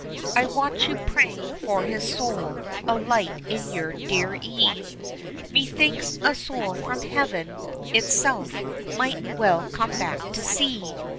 I watch you praying for his soul, a light in your dear e'e, Methinks a soul from heaven itself might well come back to see.